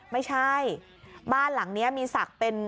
ไม่ใช่บ้านหลังนี้มีศักดิ์เป็น